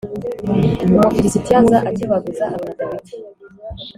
Umufilisitiya aza akebaguza abona Dawidi